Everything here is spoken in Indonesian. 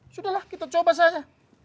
sudahlah kita coba saja